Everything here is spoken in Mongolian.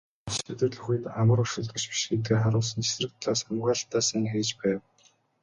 Шийдвэрлэх үед амар өрсөлдөгч биш гэдгээ харуулсан ч эсрэг талаас хамгаалалтаа сайн хийж байв.